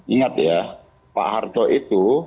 ingat ya pak harto itu